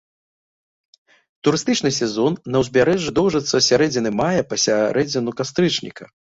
Турыстычны сезон на ўзбярэжжы доўжыцца з сярэдзіны мая па сярэдзіну кастрычніка.